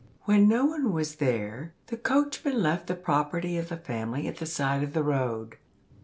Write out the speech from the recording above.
When no one was there, the coachman left the property of the family at the side of the road.